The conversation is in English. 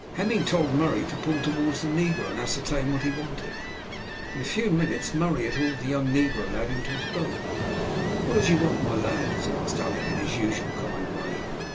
Hemming told Murray to pull towards the negro, and ascertain what he wanted. In a few minutes Murray had hauled a young negro lad into his boat. "What is it you want, my lad?" asked Alick, in his usual kind way.